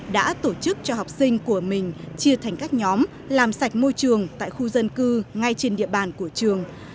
đã tổ chức cho học sinh của mình chia thành các nhóm làm sạch môi trường tại khu dân cư ngay trên địa bàn của trường